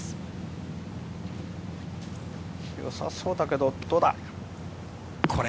よさそうだけれど、どうだ？